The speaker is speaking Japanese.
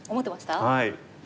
はい。